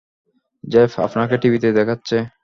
Jeff, আপনাকে টিভিতে দেখাচ্ছে!